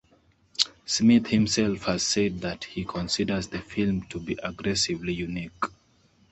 Smith himself has said that he considers the film to be "aggressively unique".